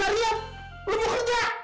lo mau kerja